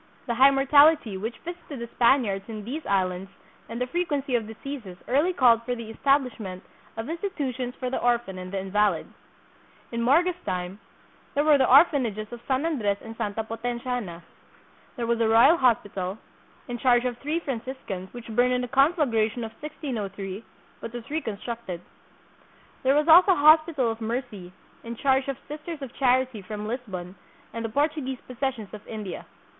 The high mortality which visited the Spaniards in these islands and the frequency of diseases early called for the establishment of institu tions for the orphan and the invalid. In Morga's time there were the orphanages of San Andres and Santa Potenciana. There was the Royal Hospital, in charge of three Franciscans, which burned in the conflagration of 1603, but was reconstructed. There was also a Hospital of Mercy, in charge of Sisters of Charity from Lisbon and the Portuguese possessions of India.